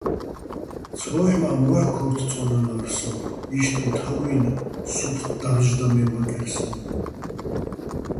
ცოჰ̦ მა́, მოჰ̦ ქორთო̆ წო́ნალარ სოჼ ოშტუჼ თაგუჲნი̆ სუფრ და́რჟდაჼ მე მაკერ სოჼ.